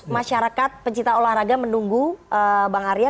masyarakat pencipta olahraga menunggu bang arya